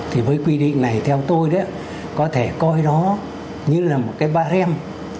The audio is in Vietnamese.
thì với quy định này theo tôi đó có thể coi nó như là một cái ba rem